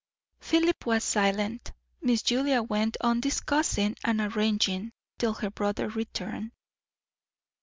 Philip was silent. Miss Julia went on discussing and arranging; till her brother returned.